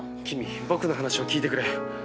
キミ僕の話を聞いてくれ。